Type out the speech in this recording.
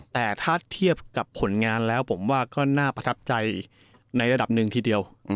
แต่ถ้าเทียบกับผลงานแล้วผมว่าก็น่าประทับใจในระดับหนึ่งทีเดียว